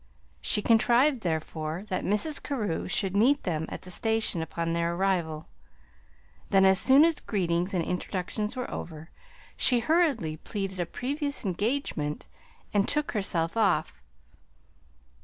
She contrived, therefore, that Mrs. Carew should meet them at the station upon their arrival; then, as soon as greetings and introductions were over, she hurriedly pleaded a previous engagement and took herself off.